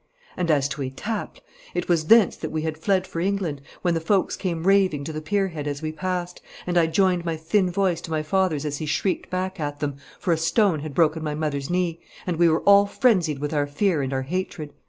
And as to Etaples, it was thence that we had fled for England, when the folks came raving to the pier head as we passed, and I joined my thin voice to my father's as he shrieked back at them, for a stone had broken my mother's knee, and we were all frenzied with our fear and our hatred.